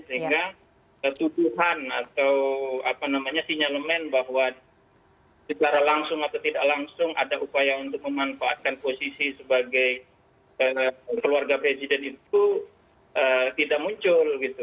sehingga tuduhan atau apa namanya sinyalemen bahwa secara langsung atau tidak langsung ada upaya untuk memanfaatkan posisi sebagai keluarga presiden itu tidak muncul gitu